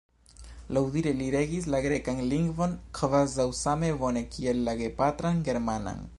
Laŭdire li regis la grekan lingvon kvazaŭ same bone kiel la gepatran germanan.